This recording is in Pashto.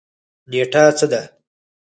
نیټه څه ده؟